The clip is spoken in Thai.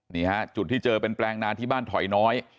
นี่ฮะจุดที่เจอเป็นแปลงนาที่บ้านถอยน้อย